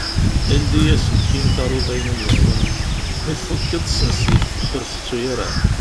Lli aselkim taruḍ ayen i m-ihwan. Mi tfukeḍ sens-it. Ur tettu ara!